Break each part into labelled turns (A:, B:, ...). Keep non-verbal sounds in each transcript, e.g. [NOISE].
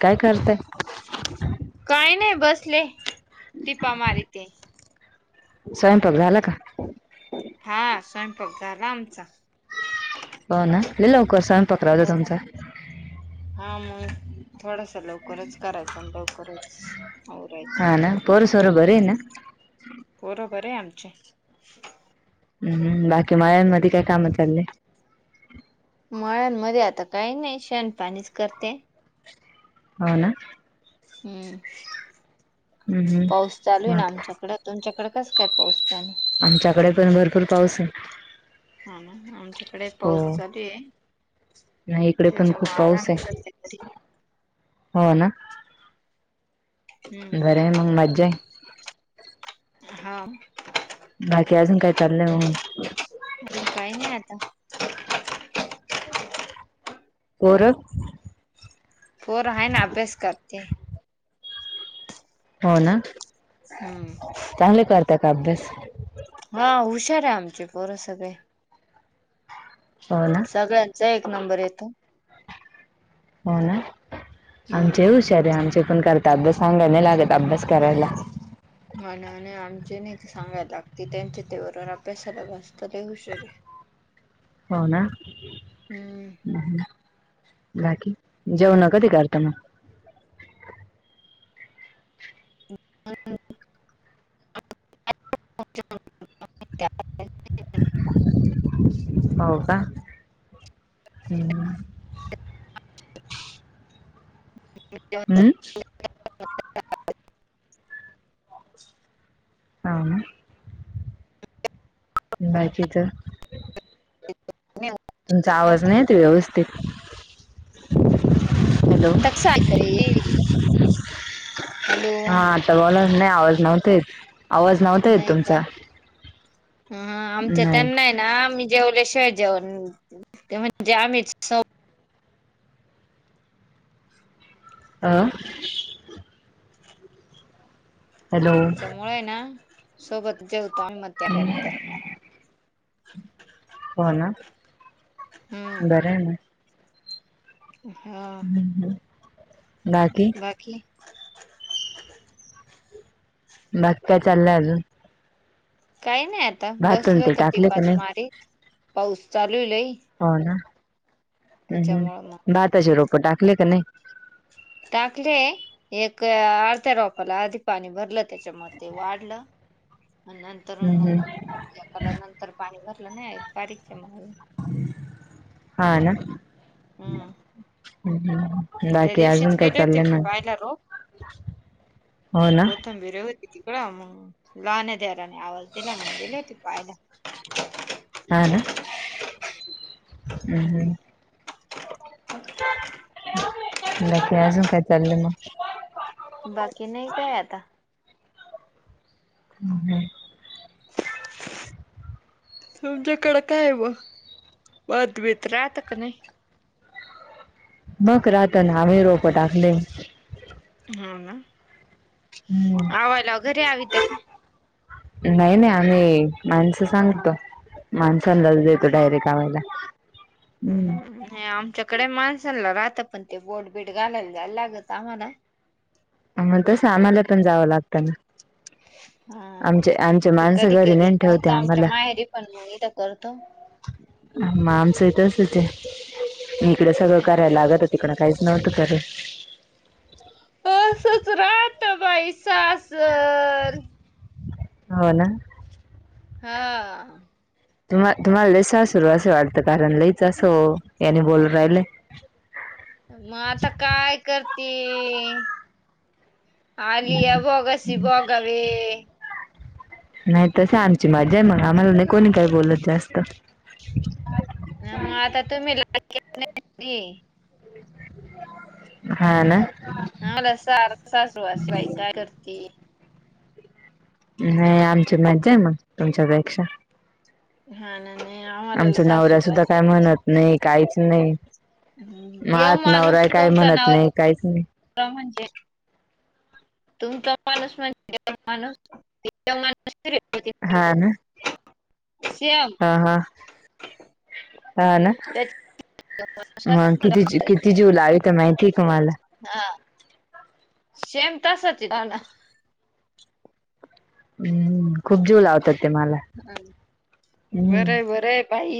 A: काय करताय?
B: काय नाही बसले, टीपा मारीते.
A: स्वयंपाक झाला का?
B: हा, स्वयंपाक झाला आमचा.
A: हो ना, लय लवकर स्वयंपाक राहतो तुमचा?
B: हा मग, थोडासा लवकरच करायचं लवकरचं आवरायचं
A: हा ना पोर सोर बरे आहे ना
B: पोरे बरे आहेत आमचे.
A: हम्म, बाकी मळ्यांमध्ये काय काम चालले?
B: मळ्यांमध्ये आता काही नाही, शेण पाणीच करते.
A: हो, ना.
B: हम्म,
A: हम्म
B: पाऊस चालू
A: हम्म
B: आहे ना
A: मग
B: आमच्याकडं. तुमच्या कडे कस काय पाऊस पाणी?
A: आमच्याकडे पण भरपूर पाऊस आहे.
B: हा ना, आमच्याकडे
A: हो
B: पाऊस चालू आहे.
A: नाही इकडे पण खूप
B: त्याच्यामुळे
A: पाऊस
B: आराम
A: आहे.
B: सध्या तरी
A: हो, ना.
B: हम्म
A: बरं आहे मग, मज्जा आहे.
B: हा.
A: बाकी अजून काय चाललंय म?
B: अजून काही नाही आता. [UNINTELLIGIBLE]
A: पोर?
B: पोर आहे ना, अभ्यास करते.
A: हो, ना.
B: हम्म,
A: चांगले करताय का अभ्यास?
B: हा हुशार आहे, आमचे पोर सगळे.
A: हो, ना.
B: सगळ्यांचा एक नंबर येतो.
A: हो ना,
B: हम्म
A: आमचे हुशार आमचे पण करत अभ्यास सांगाय नाही लागत अभ्यास करायला.
B: मनाने आम्हाला नाही सांगायला लागते, त्यांच्या मनानी अभ्यासाला बसता लई हुशार आहे.
A: हो, ना.
B: हम्म
A: बाकी, जेवण कधी करता मग?
B: [UNINTELLIGIBLE]
A: हो, का? ह ह.
B: [UNINTELLIGIBLE] जेवण.
A: अम, हाव, ना. बाकीचं तुमचा आवाज नाही येत व्यवस्थित. हॅलो.
B: आता कसं ऐकायला येईल. हॅलो
A: हा, आता बोला नाही आवाज नव्हता येत आवाज नव्हता येत
B: नाही का
A: तुमचा.
B: हा आमच्या
A: नाही
B: त्यांना आहे ना, मी जेवल्या शिवाय जेवण ते म्हणजे आम्हीच
A: अ, हॅलो
B: त्याच्यामुळे ना, सोबत जेवतो आम्ही मध्यांना नंतर. [UNINTELLIGIBLE]
A: हो ना,
B: हम्म
A: बरं आहे ना.
B: हा.
A: हम, ह बाकी?
B: बाकी
A: बाकी काय चाललयं अजून?
B: काही नाही आता
A: भात अन
B: बसलो
A: ते
B: होतो,
A: टाकले
B: टिपा
A: का नाही
B: च मारीत पाऊस चालू आहे लई.
A: हो ना, हम हम
B: त्याच्यामुळे मग
A: भाताचे रोप टाकले का नाही?
B: टाकले, एक अ-अर्ध्या रोपाला आधी पाणी भरलं त्याच्या मध्ये. ते वाढलं आणि नंतर अण
A: हम्म हम्म
B: मग एकाला नंतर पाणी भरलं नाही [UNINTELLIGIBLE] होईल.
A: हा, ना
B: हम्म
A: ह ह.
B: त्या दिवशीच गेले होते पहायला रोप,
A: हो ना
B: कोथंबीर ही होती. तिकड मग लहानी दिरानी आवाज दिला मग, गेली होती पहायला.
A: हा ना, हम
B: हम्म
A: हम. बाकी अजून काय चाललंय मग?
B: बाकी नाही काय आता.
A: हम्म हम्म,
B: तुमच्याकडं काय मग? भातभीेत राहत का नाही?
A: मग रहातना, आम्ही रोपं टाकले.
B: हा ना, आवाला घरी अवित्या काय?
A: नाही नाही, आम्ही माणसं सांगतो, माणसांना देतो डायरेक्ट लावायला.
B: ह ह्, नाही आमच्याकडे माणसांला राहतं पण ते बोट बीट घालायला जायला लागत आम्हाला
A: अन् मग तस आम्हाला पण जावं लागतं ना,
B: हा,
A: आमचे आमचे
B: ते
A: माणसं
B: कधी
A: घरी नेऊन
B: केलेलं
A: ठेवते
B: नव्हतं आमच्या
A: आम्हाला.
B: माहेरी पण मग इथ करतो
A: मग आमचंही तसंज ए, इकडे सगळं
B: हा
A: करायला लागत तिकडं काहीच नव्हतं करत-
B: असच रहत बाई सासर
A: होना
B: हा
A: तुम्हाल, तुम्हाला लई सासरू असं वाटत, कारण लईच असं याने बोलून राहिले,
B: मग आता काय करते आलिया भोगाशी भोगावे
A: नाही, तसं आमची मज्जा ए मग, आम्हाला नाही कोणी काही बोलत जास्त
B: मग आता तुम्ही लाडकी [UNINTELLIGIBLE] नाही
A: हा ना
B: आम्हाला सार सासुरवास ए बाई काय करती
A: नाही, आमची मज्जा ए मग तुमच्यापेक्षा
B: हाना, नाही आम्हाला लय
A: आमचा नवरा सुद्धा
B: सासुरवास ए
A: काय म्हणत नाही, काहीच नाही,
B: देव
A: मात
B: माणूस
A: नवरा काही
B: तुमचा
A: म्हणत
B: नवरा
A: नाही काहीच नाही
B: म्हणजे तुमचा माणूस म्हणजे माणूस
A: हा
B: [UNINTELLIGIBLE] श्याम
A: ह हा ह ना
B: त्याच्या
A: मग किती किती जीव लावीत, माहिती ए तुम्हाला
B: हा, शेम तासाच ए राना
A: हम्म, खूप जीव लावतात ते मला
B: बर ए,
A: हम्म
B: बर ए, बाई!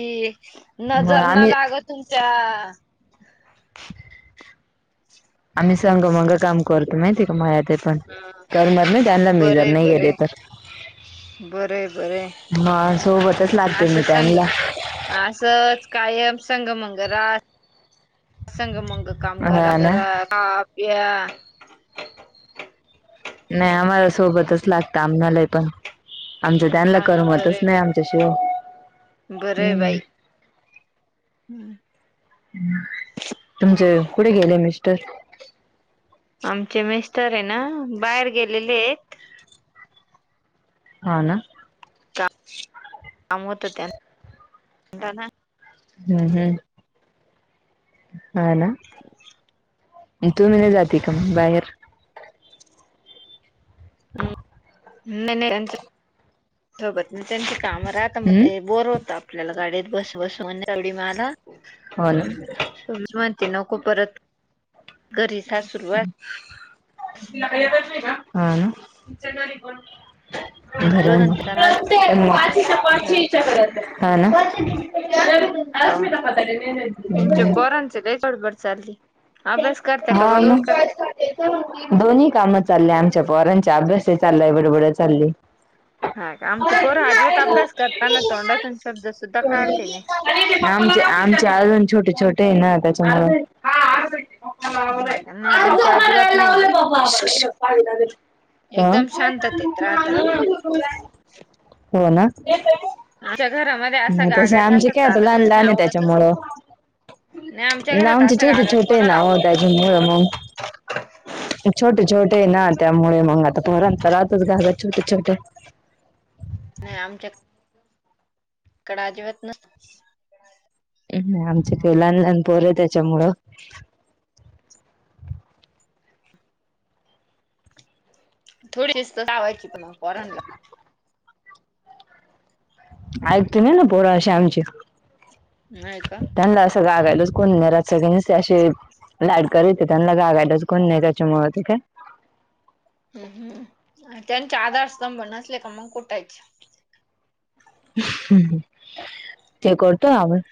A: मग
B: नजर ना
A: आम्ही
B: लागो तुम्हाला चा
A: आम्ही संग मंग काम करतो, माहितीये का मळ्यात ते पण, करमत नाही त्यांना मी जर
B: बरंय
A: नाही गेले
B: बरंय
A: तर
B: बरंय बरंय
A: मा सोबत
B: असं संग, असंच कायम संग मंग रहा संग मुंग काम
A: हा
B: करा,
A: ना
B: खा प्या
A: नाही आम्हाला सोबतच लागत, आम्हाले पण आमच्या त्यांना
B: हा ना
A: करमतच
B: बरंय
A: नाही आमच्या शिव हम्म
B: हम्म
A: तुमचे कुठे गेले मिस्टर
B: आमचे मिस्टर आहे ना बाहेर गेलेले आहेत
A: हा ना
B: काम होत त्यांता ना
A: हम् हम्म हा ना तू्म्ही नाही जाते का बाहेर
B: हम् नाही नाही त्यांच्याोबत नाही त्यां काम राहता मग
A: हम्म
B: ते बोर होत आपल्याला गाडीत बस बसून तेवढ मला
A: हो ना
B: तुम्हीचं म्हणती नको परत. घरी सासूरवास
A: [UNINTELLIGIBLE] हा, ना.
B: नाही ते
A: [UNINTELLIGIBLE]
B: म्हणतात माझं
A: [UNINTELLIGIBLE]
B: हा
A: हा, ना. [UNINTELLIGIBLE]
B: तिथं लई बडबड चालली, अभ्यास करताय का
A: हा
B: बड बड
A: मग
B: करत्या.
A: दोन्ही कामं चालल्या आमच्या पोरांच्या अभ्यासही चाललाय बडबडं ही चालली.
B: हा का, आमचे पोर आजिबात अभ्यास करताना तोंडा तन शब्द सुद्धा काढते नाही.
A: आमचे आमचे अजून छोटे छोटे आहे ना, त्याच्यामुळे
B: हा का नाही आमच्या अजिबात नाही
A: [UNINTELLIGIBLE] आ
B: एकदम शांततेत राहता.
A: हो, ना.
B: आमच्या घरामध्ये असा
A: नाही तसे
B: गागाठ
A: आमचे
B: असं
A: काय आता लहान
B: चालतच
A: लहान
B: नाही
A: आहे
B: आवडतच
A: त्याच्यामुळं
B: नाही. नाही आमच्या घरात असं गागाठ
A: ते ना हो, त्याच्यामुळे मग छोटे छोटे ना त्यामुळे मग आता पोरां राहतच ना ग छोटे छोटे.
B: नाही आमच्या कड अजिबात नस
A: आमच काही लहान लहानपोर आहे त्याच्यामुळं
B: थोडी शिस्त लावायची पण पोरानला.
A: ऐकत नाही ना पोरं असे आमचे
B: नाही का?
A: त्याला असं रागवायलाचं कोण नाही घरात सगळे नुसते असे लाड करते त्यांना रागायलाच कोण नाही, त्याच्यामुळे ते काय
B: हम्म हम्म, त्यांचे आधारस्तंभ नसले का मग कुठायचे.
A: ह ह, ते करतो [UNINTELLIGIBLE]